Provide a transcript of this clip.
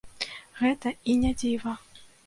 Гэта і не дзіва.